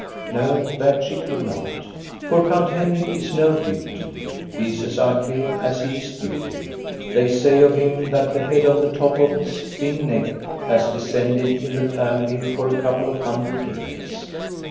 No, that she could not. For Count Henrik is no beauty. He is as ugly as he is stupid. They say of him that that head on the top of his thin neck has descended in the family for a couple of hundred years.